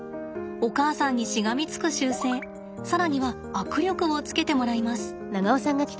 お母さんにしがみつく習性更には握力もつけてもらいます。